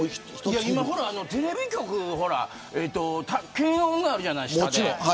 今、テレビ局は検温があるじゃない下で。